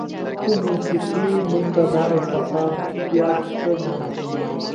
خو موسیقي موږ ته دا احساسات بیا ښه معنا کوي.